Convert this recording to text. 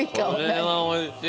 これは美味しい。